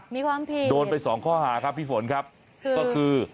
มีความผิดโดนไปสองข้อหาครับพี่ฝนครับก็คือ